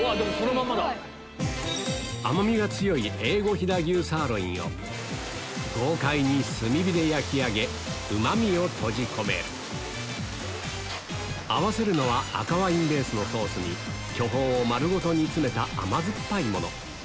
甘味が強い豪快に炭火で焼き上げうま味を閉じ込める合わせるのは赤ワインベースのソースに巨峰を丸ごと煮つめた甘酸っぱいもの